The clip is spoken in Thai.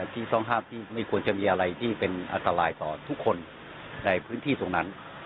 ที่ต้องห้ามที่ไม่ควรจะมีอะไรที่เป็นอันตรายต่อทุกคนในพื้นที่ตรงนั้น